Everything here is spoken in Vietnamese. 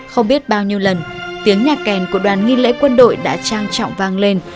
không biết bao nhiêu lần tiếng nhạc kèn của đoàn nghi lễ quân đội đã trang trọng vang lên